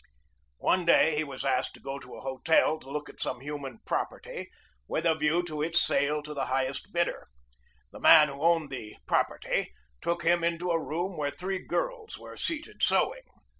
One day he was asked to go to a hotel to look at some human "property" with a view to its sale to the highest bidder. The man who owned the 106 PRIZE COMMISSIONER 107 "property" took him into a room where three girls were seated sewing.